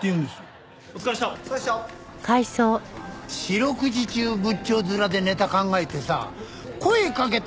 四六時中仏頂面でネタ考えてさ声かけ